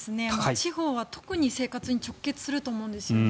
地方は特に生活に直結すると思うんですよね。